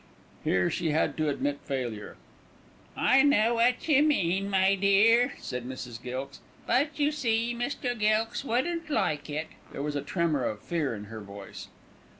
Here she had to admit failure. "I know what you mean, my dear," said Mrs. Gilkes; "but you see, Mr. Gilkes wouldn't like it." There was a tremor of fear in her voice.